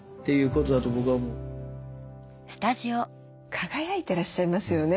輝いてらっしゃいますよね。